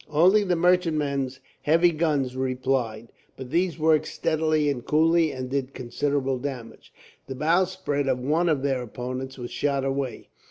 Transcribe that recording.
Only the merchantman's heavy guns replied, but these worked steadily and coolly, and did considerable damage. The bowsprit of one of their opponents was shot away.